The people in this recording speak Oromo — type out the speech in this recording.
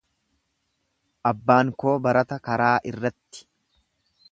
Abbaan koo barata karaa irratti.